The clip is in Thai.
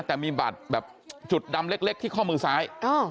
แต่มีบัตรแบบจุดดำเล็กที่ข้อมือซ้าย